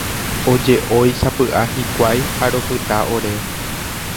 Oje'ói sapy'a hikuái ha ropyta ore.